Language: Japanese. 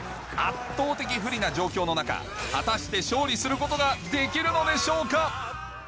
圧倒的不利な状況の中果たして勝利することができるのでしょうか